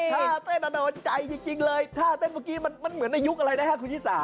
ท่าเต้นอโนใจจริงเลยท่าเต้นเมื่อกี้มันเหมือนในยุคอะไรนะครับคุณชิสา